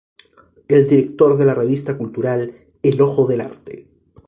Es director de la revista cultural "El ojo del arte".